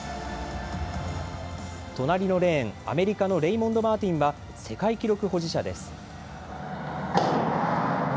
隣のレーン、アメリカのレイモンド・マーティンは、世界記録保持者です。